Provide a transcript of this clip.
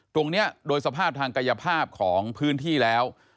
ตรงนี้โดยสภาพทางกายภาพของพื้นที่แล้ว